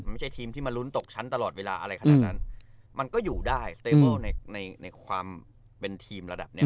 ไม่ใช่ทีมที่มาลุ้นตกชั้นตลอดเวลาอะไรขนาดนั้นมันก็อยู่ได้สเตอลในในความเป็นทีมระดับเนี้ย